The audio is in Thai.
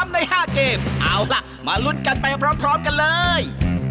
ใน๕เกมเอาล่ะมาลุ้นกันไปพร้อมกันเลย